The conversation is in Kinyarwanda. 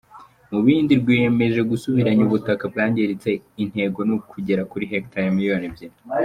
Mu bindi rwiyemeje gusubiranya ubutaka bwangiritse, intego ni kugera kuri hegitari miliyoni ebyiri.